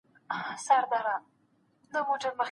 ایا موږ له ماڼۍ څخه ډګر ته وړاندي لاړو؟